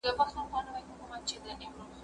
که وخت وي، انځورونه رسم کوم،